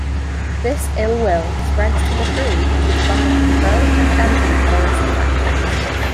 This ill-will spreads to the crew, who divide in pro-and anti-Clarissa factions.